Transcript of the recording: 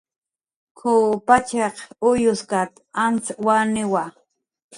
"K""uw pachiq uyustak antz waniwa"